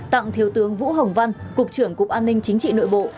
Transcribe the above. tặng thiếu tướng vũ hồng văn cục trưởng cục an ninh chính trị nội bộ